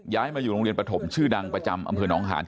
ย้ายมาอยู่โรงเรียนปฐมชื่อดังประจำ